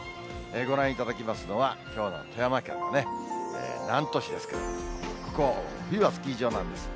ご覧いただきますのは、きょうの富山県のね、南砺市ですけど、ここ、冬はスキー場なんです。